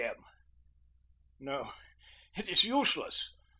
M. No, it is useless.